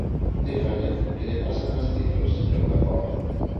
Dígalle que lle pasen as cifras, señor Dacova.